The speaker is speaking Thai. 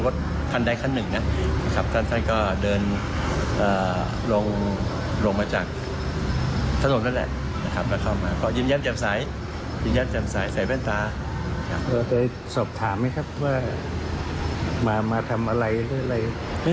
สอบถามไหมครับว่ามาทำอะไร